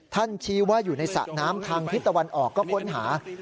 ชี้ว่าอยู่ในสระน้ำทางทิศตะวันออกก็ค้นหา